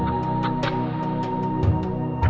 kamu sama siapa